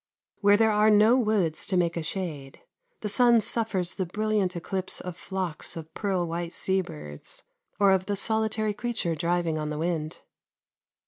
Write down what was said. Where there are no woods to make a shade, the sun suffers the brilliant eclipse of flocks of pearl white sea birds, or of the solitary creature driving on the wind.